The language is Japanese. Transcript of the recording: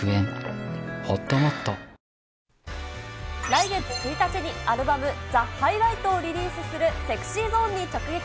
来月１日にアルバム、ザ・ハイライトをリリースするＳｅｘｙＺｏｎｅに直撃。